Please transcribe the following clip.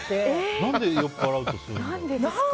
何で酔っぱらうとするの？